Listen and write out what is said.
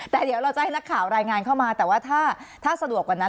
แต่เดี๋ยวเราจะให้นักข่าวรายงานเข้ามาแต่ว่าถ้าสะดวกกว่านั้น